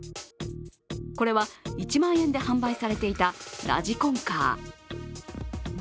これは１万円で販売されていたラジコンカー。